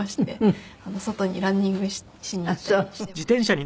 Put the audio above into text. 外にランニングしに行ったりしています。